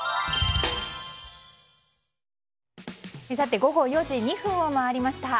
午後４時２分を回りました。